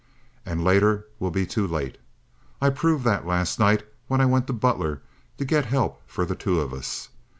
And later will be too late. I proved that last night when I went to Butler to get help for the two of us.